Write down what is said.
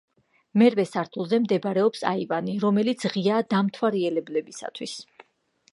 მერვე სართულზე მდებარეობს აივანი, რომელიც ღიაა დამთვალიერებლებისათვის.